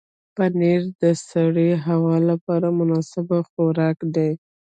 پنېر د سړې هوا لپاره مناسب خوراک دی.